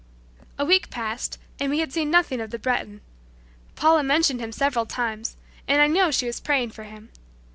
A week passed, and we had seen nothing of the Breton. Paula mentioned him several times, and I know she was praying for him.